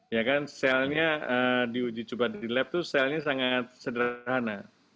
ya kan selnya di uji cepat di lab tuh selnya sangat sederhana